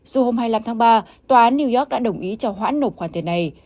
dù hôm hai mươi năm tháng ba tòa án new york đã đồng ý cho hoãn nộp khoản tiền này